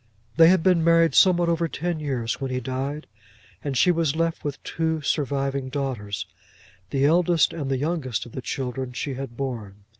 They had been married somewhat over ten years when he died, and she was left with two surviving daughters, the eldest and the youngest of the children she had borne.